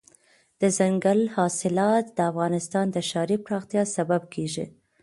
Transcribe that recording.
دځنګل حاصلات د افغانستان د ښاري پراختیا سبب کېږي.